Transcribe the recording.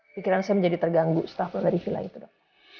pikiran saya menjadi terganggu setelah pulang dari vila itu dok